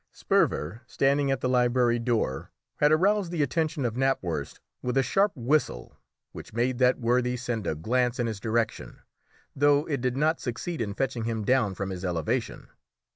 Sperver, standing at the library door, had aroused the attention of Knapwurst with a sharp whistle, which made that worthy send a glance in his direction, though it did not succeed in fetching him down from his elevation.